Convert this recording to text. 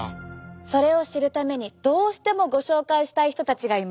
それを知るためにどうしてもご紹介したい人たちがいます。